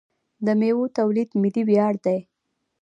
د میوو تولید ملي ویاړ دی.